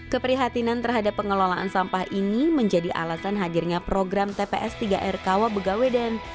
keprihatinan terhadap pengelolaan sampah ini menjadi alasan hadirnya program tps tiga r kawa begaweden